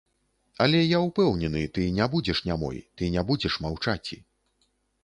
Але я ўпэўнены, ты ня будзеш нямой, ты ня будзеш маўчаці.